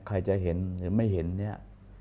ใครจะเห็นหรือไม่เห็นเนี่ย